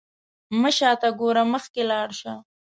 مه شاته ګوره، مخکې لاړ شه.